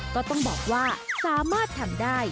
ก็ต้องบอกว่าสามารถทำได้